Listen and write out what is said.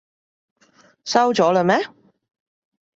收咗喇咩？